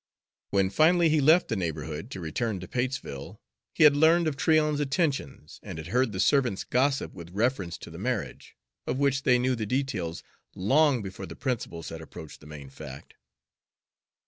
When finally he left the neighborhood to return to Patesville, he had learned of Tryon's attentions, and had heard the servants' gossip with reference to the marriage, of which they knew the details long before the principals had approached the main fact.